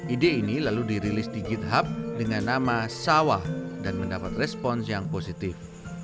ide ini lalu dirilis di github dengan nama sawah dan mendapat respons yang positif